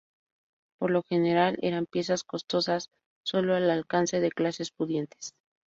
Por lo general eran piezas costosas, solo al alcance de clases pudientes.